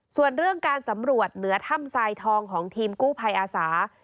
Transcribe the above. ส่วนเรื่องการสำรวจเหนือถ้ำทรายทองของทีมกู้ภัยอาสา